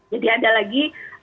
jadi ada lagi